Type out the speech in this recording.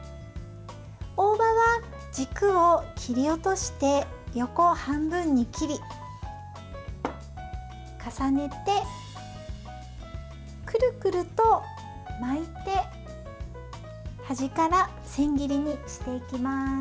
大葉は軸を切り落として横半分に切り重ねて、くるくると巻いて端から千切りにしていきます。